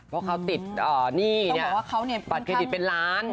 เพราะเขาติดนี่เนี่ยบัตรเครดิตเป็นล้าน